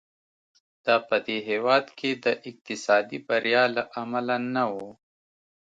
دا په دې هېواد کې د اقتصادي بریا له امله نه و.